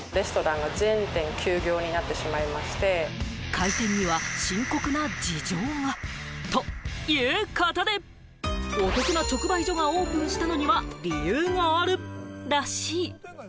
開店には深刻な事情が。ということで、お得な直売所がオープンしたのには理由があるらしい。